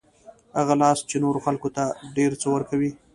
هغه لاس چې نورو خلکو ته ډېر څه ورکوي.